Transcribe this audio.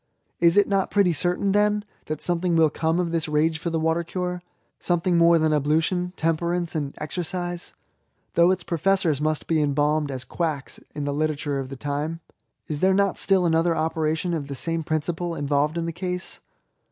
Is it not pretty certain, then, that some thing will come of this rage for the water cure, (something more than ablution, temperance, and exercise,) though its professors must be em 84 ESSAYS. balmed as quacks in the literature of ihe time ? Is there not still another operation of the same principle inyblyed in the case